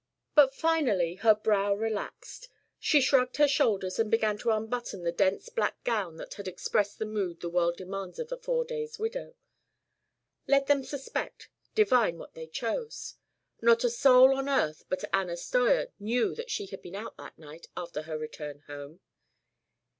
But finally her brow relaxed. She shrugged her shoulders and began to unbutton the dense black gown that had expressed the mood the world demands of a four days' widow. Let them suspect, divine what they chose. Not a soul on earth but Anna Steuer knew that she had been out that night after her return home.